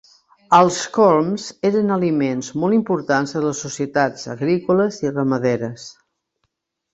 Els corms eren aliments molt importants en les societats agrícoles i ramaderes.